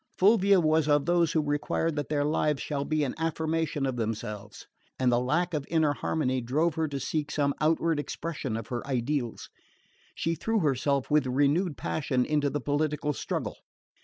Fulvia was of those who require that their lives shall be an affirmation of themselves; and the lack of inner harmony drove her to seek some outward expression of her ideals. She threw herself with renewed passion into the political struggle.